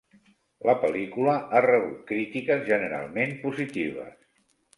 La pel·lícula ha rebut crítiques generalment positives.